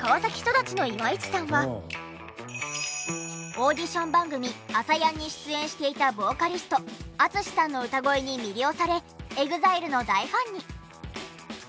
オーディション番組『ＡＳＡＹＡＮ』に出演していたボーカリストＡＴＳＵＳＨＩさんの歌声に魅了されＥＸＩＬＥの大ファンに。